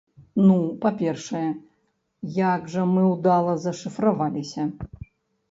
Ну, па-першае, як жа мы ўдала зашыфраваліся!